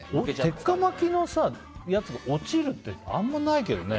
鉄火巻きのマグロが落ちるってあんまりないけどね。